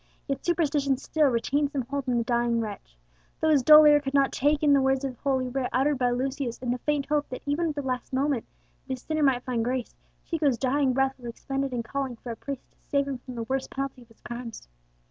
Yet superstition still retained some hold on the dying wretch. Though his dull ear could not take in the words of Holy Writ uttered by Lucius in the faint hope that even at the last moment the sinner might find grace, Chico's dying breath was expended in calling for a priest to save him from the worst penalty of his crimes!